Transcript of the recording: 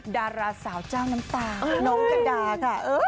ดาราสาวเจ้าน้ำตาน้องกันดาค่ะ